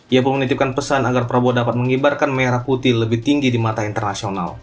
ia pun menitipkan pesan agar prabowo dapat mengibarkan merah putih lebih tinggi di mata internasional